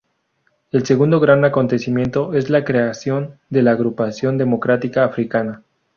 El segundo gran acontecimiento es la creación de la Agrupación Democrática Africana.